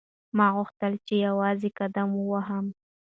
ما غوښتل چې یوازې قدم ووهم.